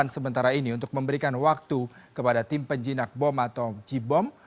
sementara ini untuk memberikan waktu kepada tim penjinak bom atau j bom